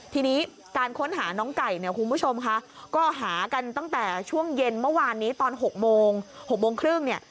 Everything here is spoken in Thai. ทีนี้การค้นหาน้องไก่เนี่ยคุณผู้ชมค่ะก็หากันตั้งแต่ช่วงเย็นเมื่อวานนี้ตอน๖โมง๖โมงครึ่งเนี่ย